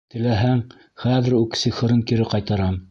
— Теләһәң, хәҙер үк сихырын кире ҡайтарам.